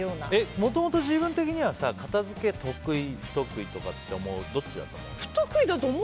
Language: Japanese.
もともと自分的には片付け、得意、不得意どっちだと思う？